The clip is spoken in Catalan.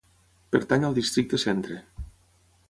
Pertany al districte Centre.